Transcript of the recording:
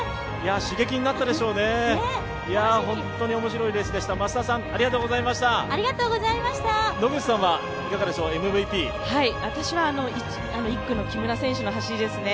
刺激になったでしょうね、本当に面白いレースでした、増田さん、ありがとうございました私は１区の木村選手の走りですね。